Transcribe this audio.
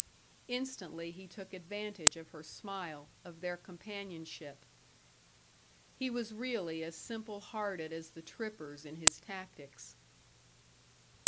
Instantly he took advantage of her smile, of their companionship. He was really as simple hearted as the trippers in his tactics.